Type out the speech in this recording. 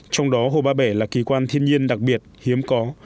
trong đó hồ ba bể là kỳ quan thiên nhiên đặc biệt hiếm có